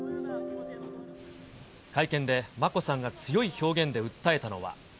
会見で眞子さんが強い表現で訴えたのは。